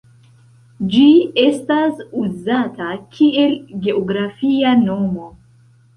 Ĝi estas uzata kiel geografia nomo.